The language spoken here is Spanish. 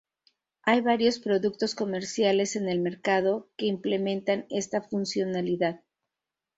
Hay varios productos comerciales en el mercado que implementan esta funcionalidad.